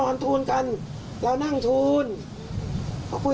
ไม่ถึงไม่ใช่๔เดือนอย่างเขาพูด